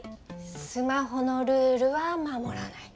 スマホのルールは守らない。